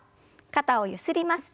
肩をゆすります。